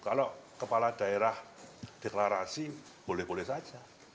kalau kepala daerah deklarasi boleh boleh saja